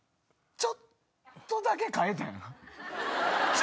ちょっとだけ変えてんな？